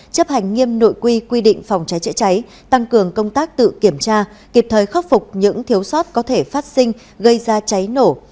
chấp hành nghiêm nội quy quy định phòng cháy chữa cháy tăng cường công tác tự kiểm tra kịp thời khắc phục những thiếu sót có thể phát sinh gây ra cháy nổ